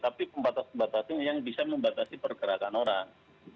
tapi pembatasan pembatasan yang bisa membatasi pergerakan orang